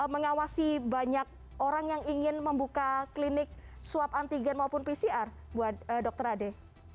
mengawasi banyak orang yang ingin membuka klinik swab antigen maupun pcr buat dokter ade